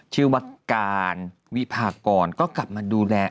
ชื่อวัดการวิพากรก็กลับมาดูแล